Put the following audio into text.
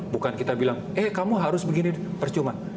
bukan kita bilang eh kamu harus begini percuma